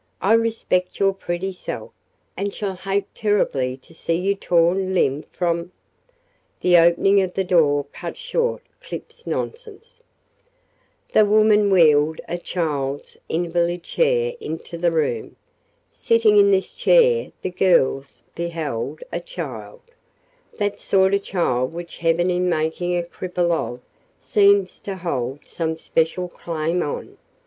I respect your pretty self, and shall hate terribly to see you torn limb from " The opening of the door cut short Clip's nonsense. The woman wheeled a child's invalid chair into the room. Sitting in this chair the girls beheld a child that sort of child which heaven in making a cripple of seems to hold some special claim on.